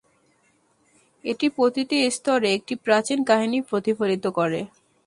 এটি প্রতিটি স্তরে একটি প্রাচীন কাহিনী প্রতিফলিত করে।